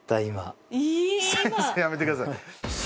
先生やめてください。